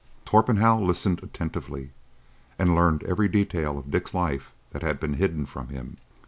Torpenhow listened attentively, and learned every detail of Dick's life that had been hidden from him.